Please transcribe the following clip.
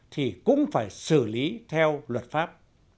thì cũng phải xử lý theo luật pháp